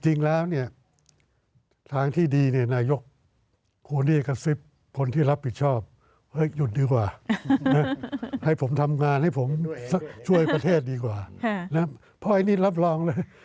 จริงแล้วเนี่ยทางที่ดีเนี่ยนายกโฮนี่กระซิบคนที่รับผิดชอบเฮ้ยหยุดดีกว่าให้ผมทำงานให้ผมช่วยประเทศดีกว่านะเพราะอันนี้รับรองเลย